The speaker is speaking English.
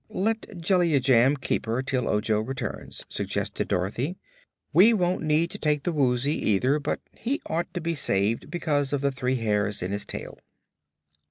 "Let Jellia Jamb keep her till Ojo returns," suggested Dorothy. "We won't need to take the Woozy, either, but he ought to be saved because of the three hairs in his tail."